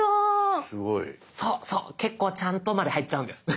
そうそう「結構ちゃんと」まで入っちゃうんです。